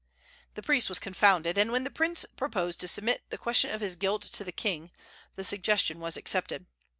The priest was confounded, and when the prince proposed to submit the question of his guilt to the king, the suggestion was accepted.